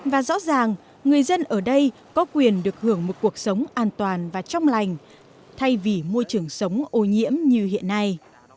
và rõ ràng người dân ở đây có quyền được hưởng một cuộc sống an toàn và trong lành thay vì môi trường sống ô nhiễm như hiện nay